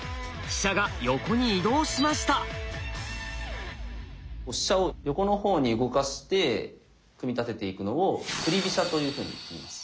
飛車を横の方に動かして組み立てていくのを「振り飛車」というふうにいいます。